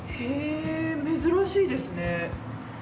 へぇ珍しいですね。